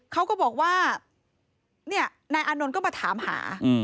เขาก็บอกว่าเนี่ยนายอานนท์ก็มาถามหา